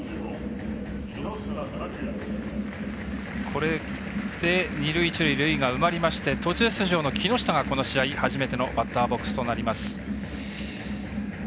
これで、二塁一塁で塁が埋まりまして途中出場の木下がこの試合初めてのバッターボックス。